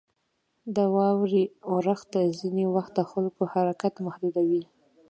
• د واورې اورښت ځینې وخت د خلکو حرکت محدودوي.